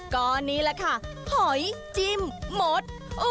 ก็นี่แหละค่ะหอยจิ้มมด